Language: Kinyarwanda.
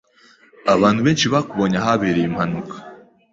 Abantu benshi bakubonye ahabereye impanuka.